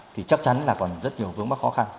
thì chắc chắn là còn rất nhiều vướng mắc khó khăn